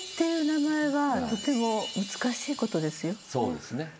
そうですね。